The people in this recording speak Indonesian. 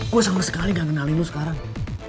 gue sama sekali nggak kenalin lo sekarang